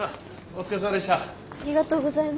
お疲れさまでした。